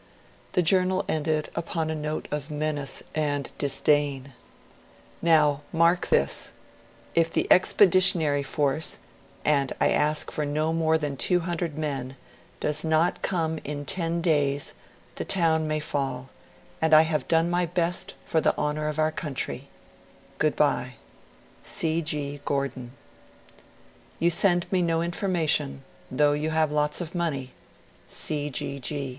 The Journal ended upon a note of menace and disdain: 'Now MARK THIS, if the Expeditionary Force, and I ask for no more than 200 men, does not come in ten days, the town may fall; and I have done my best for the honour of our country. Good bye. C. G. GORDON. 'You send me no information, though you have lots of money.